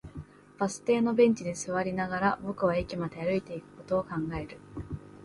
バス停のベンチに座りながら、僕は駅まで歩いていくことを考える